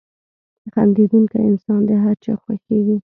• خندېدونکی انسان د هر چا خوښېږي.